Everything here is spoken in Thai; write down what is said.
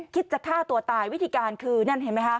คิดจะฆ่าตัวตายวิธีการคือนั่นเห็นไหมคะ